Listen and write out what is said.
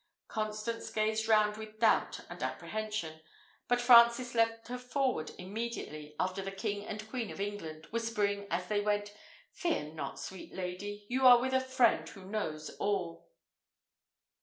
Constance gazed round with doubt and apprehension; but Francis led her forward immediately after the King and Queen of England, whispering, as they went, "Fear not, sweet lady! you are with a friend who knows all."